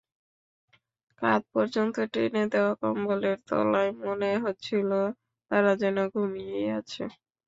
কাঁধ পর্যন্ত টেনে দেওয়া কম্বলের তলায় মনে হচ্ছিল তারা যেন ঘুমিয়েই আছে।